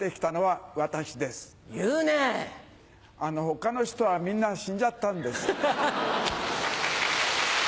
他の人はみんな死んじゃったんです。